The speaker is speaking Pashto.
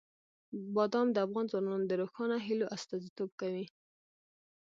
بادام د افغان ځوانانو د روښانه هیلو استازیتوب کوي.